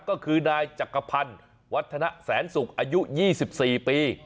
ก็คือนายจักรพันธ์วัฒนะแสนศุกร์อายุ๒๔ปี